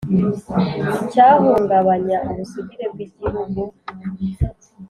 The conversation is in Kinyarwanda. icyahungabanya ubusugire bw Igihugu